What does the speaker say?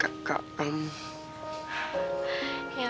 kamu tuh gak pernah jadi beban aku